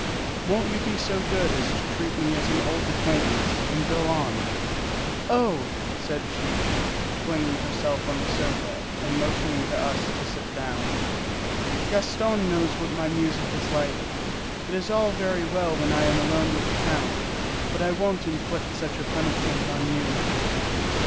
"Won't you be so good as to treat me as an old acquaintance and go on?" "Oh," said she, flinging herself on the sofa and motioning to us to sit down, "Gaston knows what my music is like. It is all very well when I am alone with the count, but I won't inflict such a punishment on you."